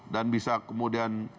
dan bisa kemudian